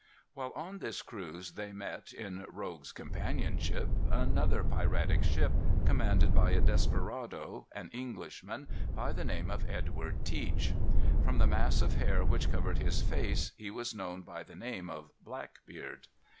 While on this cruise they met, in rogues' companionship, another piratic ship, commanded by a desperado, an Englishman, by the name of Edward Teach. From the mass of hair which covered his face he was known by the name of Blackbeard.